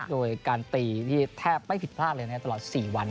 โดยการตีนี่แทบไม่ผิดพลาดเลยนะครับตลอด๔วัน